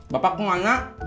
bapak mau anak